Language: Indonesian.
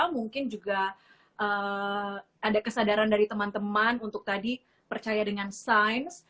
mungkin juga ada kesadaran dari teman teman untuk tadi percaya dengan sains